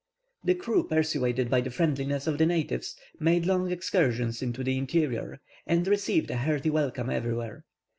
The crew, persuaded by the friendliness of the natives, made long excursions into the interior, and received a hearty welcome everywhere.